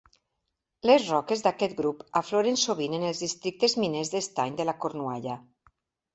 Les roques d'aquest grup afloren sovint en els districtes miners d'estany de la Cornualla.